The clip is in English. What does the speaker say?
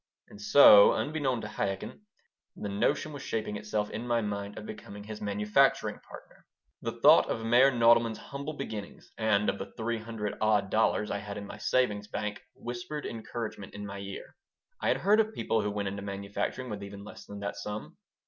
And so, unbeknown to Chaikin, the notion was shaping itself in my mind of becoming his manufacturing partner. The thought of Meyer Nodelman's humble beginnings and of the three hundred odd dollars I had in my savings bank whispered encouragement into my ear. I had heard of people who went into manufacturing with even less than that sum.